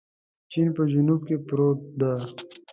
د چين په جنوب کې پرته ده.